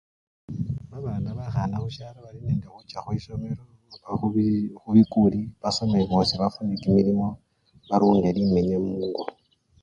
Babana bakhana khusyalo bali nende khucha khwisomelo oba khubii khubikuli basome bosi bafune kimilimo barunge limenya mungo.